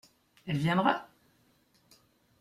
Elle viendra ?